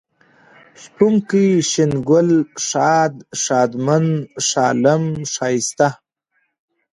شپونکی ، شين گل ، ښاد ، ښادمن ، ښالم ، ښايسته